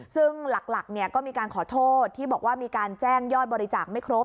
ซึ่งหลักก็มีการขอโทษที่บอกว่ามีการแจ้งยอดบริจาคไม่ครบ